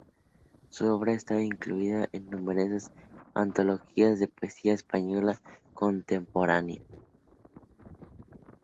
Su obra está incluida en numerosas antologías de poesía española contemporánea.